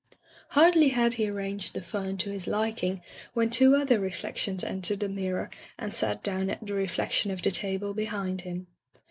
Hardly had he arranged the fern to his lik ing when two other reflections entered the mirror and sat down at the reflection of the table behind him.